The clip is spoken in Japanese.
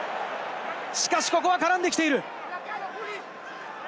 しかし、ここは絡んできている。